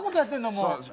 もう。